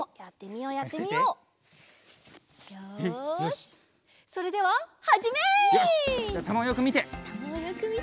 よしじゃあたまをよくみて。